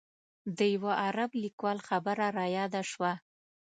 د یوه عرب لیکوال خبره رایاده شوه.